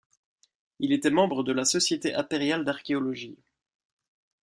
Il était membre de la société impériale d'archéologie.